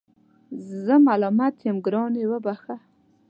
زه ملامت یم ګرانې وبخښه